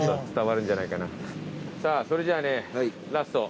さぁそれじゃあねラスト。